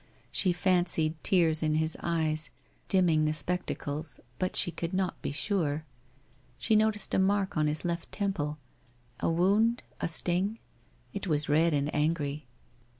... She fancied tears in his eyes, dimming the spectacles, but she could not be sure? ... She noticed a mark on his left temple, a wound, a sting? It was red and angry.